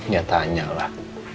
ya tanya lah